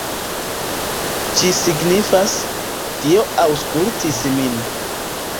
Ĝi signifas: Dio aŭskultis min.